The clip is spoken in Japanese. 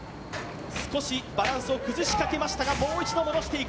少しバランスを崩しかけましたが、もう一度戻していく。